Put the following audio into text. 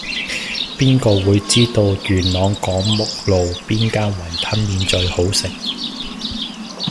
邊個會知道元朗港攸路邊間雲吞麵最好食